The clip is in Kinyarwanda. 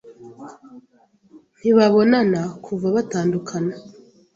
Ntibabonana kuva batandukana.